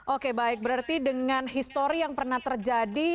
oke baik berarti dengan histori yang pernah terjadi